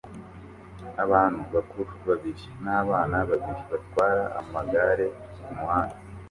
Abantu bakuru babiri n'abana babiri batwara amagare kumuhanda